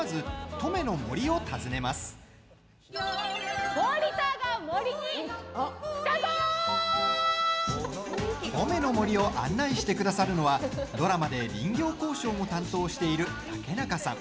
登米の森を案内してくださるのはドラマで林業考証も担当している竹中さん。